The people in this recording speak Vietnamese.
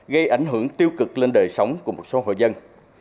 gây ảnh hưởng tiêu cực lên đời sống của một số hội dân